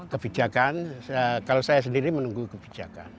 kebijakan kalau saya sendiri menunggu kebijakan